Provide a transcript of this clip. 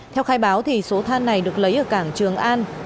theo khai báo số than này được lấy ở cảng trường an